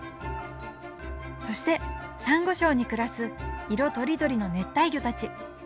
そしてサンゴ礁に暮らす色とりどりの熱帯魚たち。